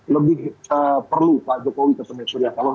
lebih perlu pak jokowi ketemu surya paloh